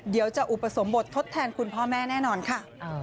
เดี๋ยวจะอุปสมบททดแทนคุณพ่อแม่แน่นอนค่ะ